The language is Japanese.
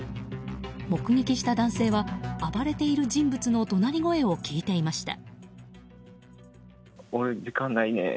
目撃した男性は暴れている人物の怒鳴り声を聞いていました。